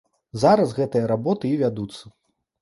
Зараз гэтыя работы і вядуцца.